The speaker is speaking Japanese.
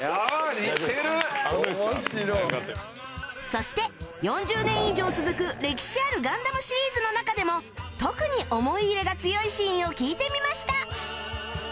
そして４０年以上続く歴史ある『ガンダム』シリーズの中でも特に思い入れが強いシーンを聞いてみました